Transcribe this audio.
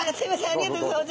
ありがとうございます。